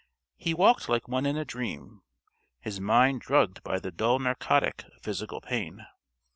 He walked like one in a dream, his mind drugged by the dull narcotic of physical pain.